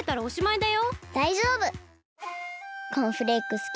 だいじょうぶ！